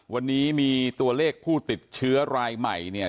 วันนี้มีตัวเลขผู้ติดเชื้อรายใหม่เนี่ย